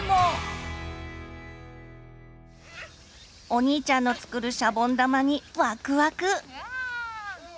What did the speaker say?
お兄ちゃんの作るシャボン玉にワクワク！